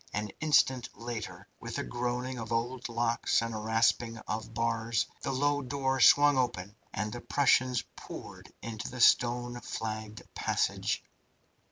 An instant later, with a groaning of old locks and a rasping of bars, the low door swung open, and the Prussians poured into the stone flagged passage.